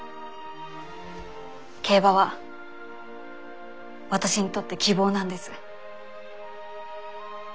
競馬は私にとって希望なんです。